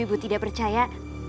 ibu tidak percaya